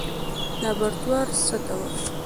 لابراتوار څه ته وایي؟